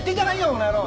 この野郎！